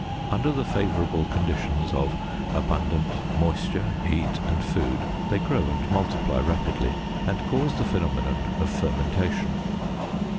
Under the favorable conditions of abundant moisture, heat, and food, they grow and multiply rapidly, and cause the phenomenon of fermentation.